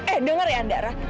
eh denger ya andara